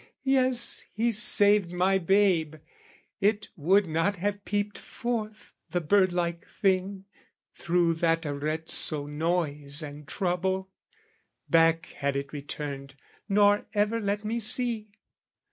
Yes, he saved my babe: It would not have peeped forth, the bird like thing, Through that Arezzo noise and trouble: back Had it returned nor ever let me see!